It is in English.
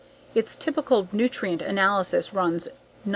Its typical nutrient analysis runs 9 6 4.